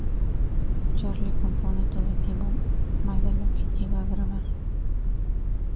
Charly compone todo el tiempo, más de lo que llega a grabar.